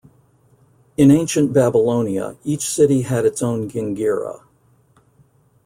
In ancient Babylonia, each city had its own Gingira.